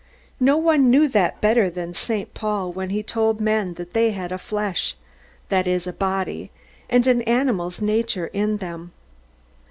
No one knew that better than St. Paul when he told men that they had a flesh; that is, a body, and an animal's nature in them.